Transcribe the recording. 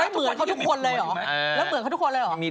แล้วเหมือนเขาทุกคนเลยเหรอ